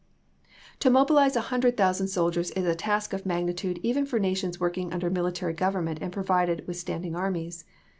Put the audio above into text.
To mobilize a hundred thousand soldiers is a task of magnitude even for nations working under military government and provided with standing armies.